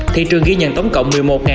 thị trường ghi nhận tổng cộng một mươi một